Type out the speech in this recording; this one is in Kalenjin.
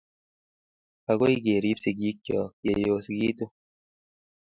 agoi kerib sigikcho ye yosekitun